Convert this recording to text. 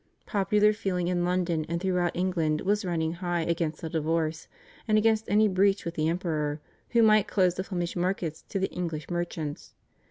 Popular feeling in London and throughout England was running high against the divorce, and against any breach with the Emperor, who might close the Flemish markets to the English merchants.